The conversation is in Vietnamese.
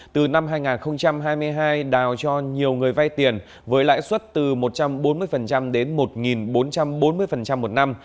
từ năm hai nghìn hai mươi hai đào cho nhiều người vay tiền với lãi suất từ một trăm bốn mươi đến một bốn trăm bốn mươi một năm